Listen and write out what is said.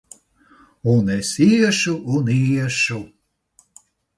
Un es iešu un iešu!